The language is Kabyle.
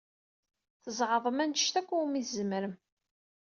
Tzeɛḍem anect akk umi tzemrem.